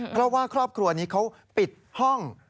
เพราะว่าครอบครัวนี้เขาปิดห้อง